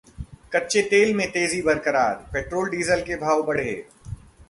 कच्चे तेल में तेजी बरकरार, पेट्रोल-डीजल के भाव बढ़े